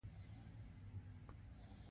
باران پرلپسې نه و اورېدلی.